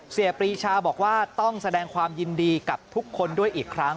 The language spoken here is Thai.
ปรีชาบอกว่าต้องแสดงความยินดีกับทุกคนด้วยอีกครั้ง